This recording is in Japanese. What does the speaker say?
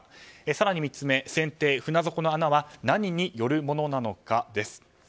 更に３つ目、船底の穴は何によるものなのかです。